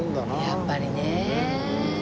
やっぱりね。